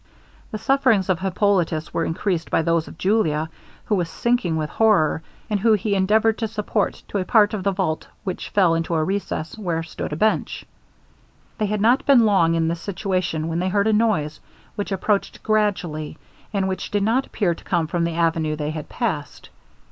The sufferings of Hippolitus were increased by those of Julia, who was sinking with horror, and who he endeavoured to support to apart of the vault which fell into a recess where stood a bench. They had not been long in this situation, when they heard a noise which approached gradually, and which did not appear to come from the avenue they had passed.